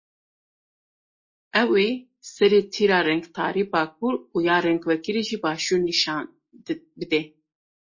Ew ê serê tîra rengtarî bakur û ya rengvekirî jî başûr nîşan bide.